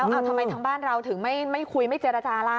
เอาทำไมทางบ้านเราถึงไม่คุยไม่เจรจาล่ะ